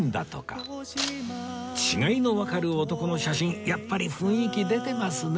違いのわかる男の写真やっぱり雰囲気出てますね